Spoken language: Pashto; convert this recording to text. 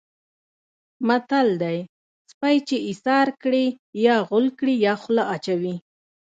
متل دی: سپی چې ایسار کړې یا غول کړي یا خوله اچوي.